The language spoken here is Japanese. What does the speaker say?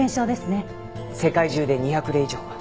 世界中で２００例以上は。